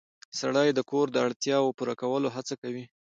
سړی د کور د اړتیاوو پوره کولو هڅه کوي